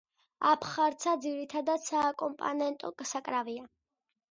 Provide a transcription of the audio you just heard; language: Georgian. აბხარცა ძირითადად სააკომპანემენტო საკრავია.